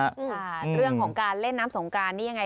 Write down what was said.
ค่ะเรื่องของการเล่นน้ำสงการนี่ยังไง